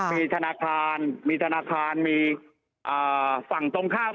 มีธนาคารมีธนาคารมีฝั่งตรงข้าม